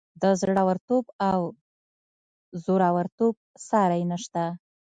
د زړه ورتوب او زورورتوب ساری نشته.